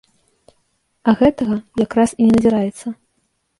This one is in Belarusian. А гэтага якраз і не назіраецца.